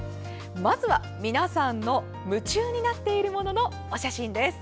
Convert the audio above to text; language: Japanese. まずは皆さんの夢中になっているもののお写真。